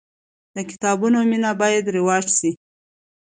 د کتابونو مینه باید رواج سي.